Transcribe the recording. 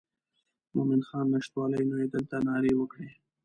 مومن خان نشتوالی نو یې دلته نارې وکړې.